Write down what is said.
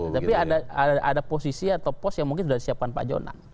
tapi ada posisi atau pos yang mungkin sudah disiapkan pak jonan